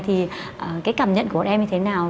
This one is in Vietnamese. thì cái cảm nhận của các em như thế nào